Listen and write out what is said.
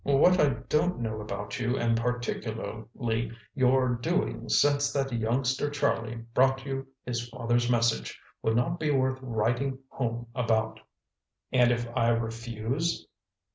What I don't know about you, and particularly your doings since that youngster Charlie brought you his father's message, would not be worth writing home about." "And if I refuse?"